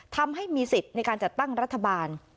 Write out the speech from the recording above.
ทำให้มีสิทธิ์ในการจัดตั้งรัฐบาล